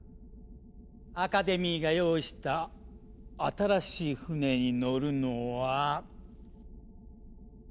アカデミーが用意した新しい船に乗るのは。